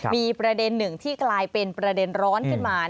มีประเด็นหนึ่งที่กลายเป็นประเด็นร้อนขึ้นมา